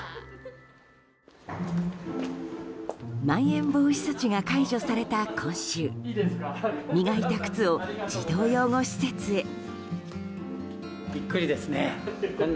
まん延防止措置が解除された今週磨いた靴を児童養護施設へ。